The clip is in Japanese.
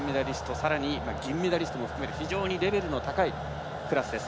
さらに、銀メダリストも含め非常にレベルの高いクラスです。